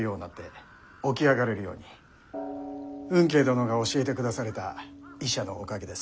吽慶殿が教えてくだされた医者のおかげです。